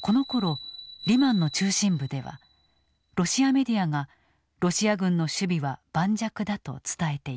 このころリマンの中心部ではロシアメディアがロシア軍の守備は盤石だと伝えていた。